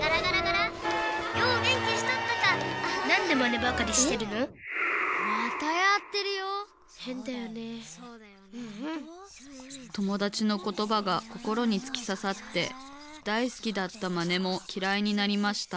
ともだちのことばがこころにつきささってだいすきだったまねもきらいになりました